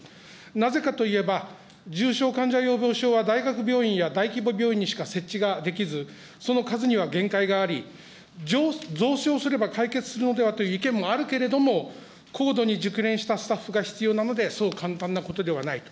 なぜかといえば、重症患者用病床は大学病院や大規模病院にしか設置ができず、その数には限界があり、増床すれば解決するのではという意見もあるけれども、高度に熟練したスタッフが必要なので、そう簡単なことではないと。